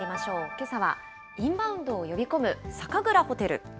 けさはインバウンドを呼び込む酒蔵ホテル。